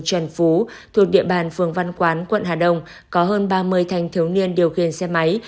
trần phú thuộc địa bàn phường văn quán quận hà đông có hơn ba mươi thanh thiếu niên điều khiển xe máy